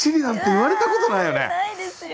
ないですよ！